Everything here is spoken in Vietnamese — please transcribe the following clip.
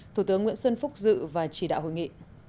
thủ tướng nguyễn xuân phúc dự và chỉ đạo hội nghị